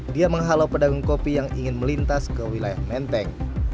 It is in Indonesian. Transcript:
dia menghalau pedagang kopi yang ingin melintas ke wilayah menteng